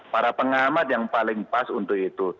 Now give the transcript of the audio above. para pengamat yang paling pas untuk itu